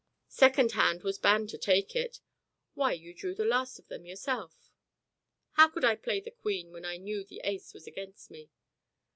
"Second hand was bound to take it." "Why, you drew the last of them yourself!" "How could I play the queen when I knew that the ace was against me?"